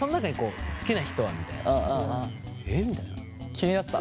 気になった？